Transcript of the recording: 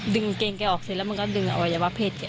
กางเกงแกออกเสร็จแล้วมันก็ดึงอวัยวะเพศแก